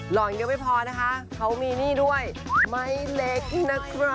หล่อยเยอะไม่พอนะคะเขามีนี่ด้วยไม้เล็กนะคะ